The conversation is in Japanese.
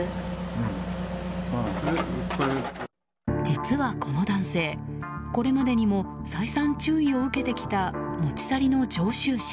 実はこの男性これまでにも再三、注意を受けてきた持ち去りの常習者。